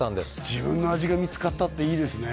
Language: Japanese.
自分の味が見つかったっていいですね